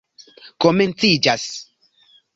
komenciĝas